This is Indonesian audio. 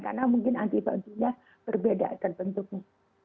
karena mungkin anti vaksinnya berbeda akan bentuknya